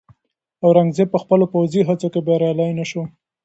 اورنګزېب په خپلو پوځي هڅو کې بریالی نه شو.